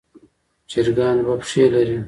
چرګان دوه پښې لري.